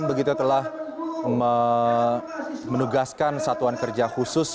dan begitu telah menugaskan satuan kerja khusus